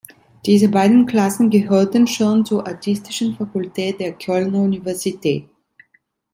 Diese beiden Klassen gehörten schon zur artistischen Fakultät der Kölner Universität.